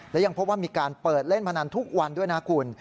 และยังพบว่ามีการเปิดเล่นพนันทุกวันด้วยนะคุณ